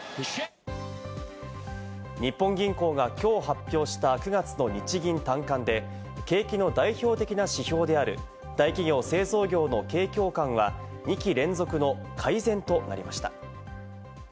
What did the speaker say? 日本銀行がきょう発表した９月の日銀短観で景気の代表的な指標である大企業・製造業の景況感は２期連続の改善となりました。